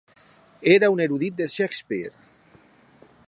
Era un erudit de Shakespeare.